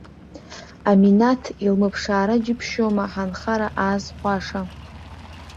Аминаҭ илымԥшаара џьыбшьома ҳанхара аазхәаша.